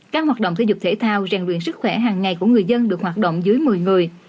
các hoạt động thể dục thể thao rèn luyện sức khỏe hàng ngày của người dân được hoạt động dưới một mươi người